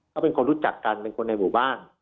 เขาเป็นคนรู้จักกันเป็นคนในหมู่บ้าน